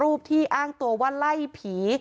รูปที่อ้างตัวว่าไล่ผี